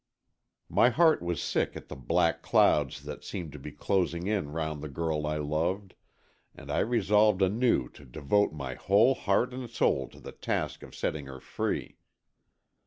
My heart was sick at the black clouds that seemed to be closing in round the girl I loved, and I resolved anew to devote my whole heart and soul to the task of setting her free.